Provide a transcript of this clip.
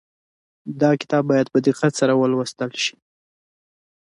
دا کتاب باید په دقت سره ولوستل شي.